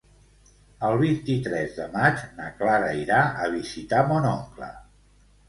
El vint-i-tres de maig na Clara irà a visitar mon oncle.